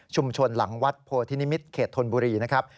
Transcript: หลังวัดโพธินิมิตรเขตธนบุรีนะครับ